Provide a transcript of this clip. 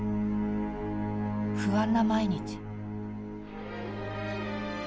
不安な毎日。